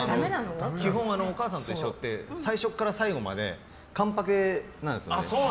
基本「おかあさんといっしょ」って最初から最後まで完パケなんですよね。